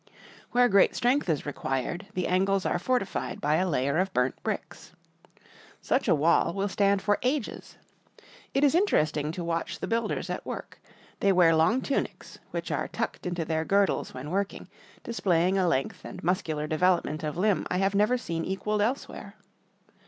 Where great strength is required, the angles are fortified by a layer of burnt bricks. Such a wall will stand for ages. It is interesting to watch the builders at work. They wear long tunics, which are tucked into their girdles when working, displaying a length and muscular development of limb I have never seen equaled elsewhere.